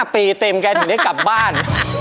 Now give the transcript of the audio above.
ปีเต็มแกถึงได้กลับบ้าน